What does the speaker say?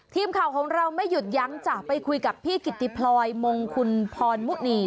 ทีมข่าวของเราไม่หยุดยั้งจ้ะไปคุยกับพี่กิติพลอยมงคุณพรมุนี